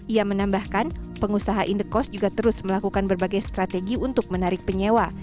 ia menambahkan pengusaha indekos juga terus melakukan berbagai strategi untuk menarik penyewa